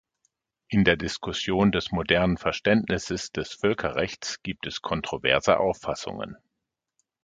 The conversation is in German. In der Diskussion des modernen Verständnisses des Völkerrechts gibt es kontroverse Auffassungen.